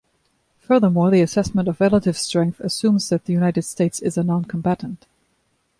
Furthermore, the assessment of relative strength assumes that the United States is a non-combatant.